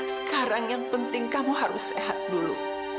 sekarang yang penting kamu harus sehat dulu